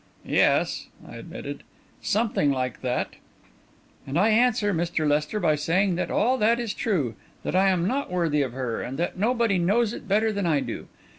"Yes," I admitted, "something like that." "And I answer, Mr. Lester, by saying that all that is true, that I am not worthy of her, and that nobody knows it better than I do.